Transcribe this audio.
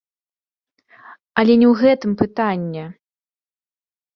Але не ў гэтым пытанне.